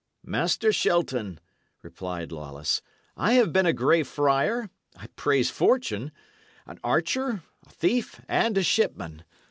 "Master Shelton," replied Lawless, "I have been a Grey Friar I praise fortune an archer, a thief, and a shipman.